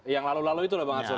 yang lalu lalu itu loh bang arsul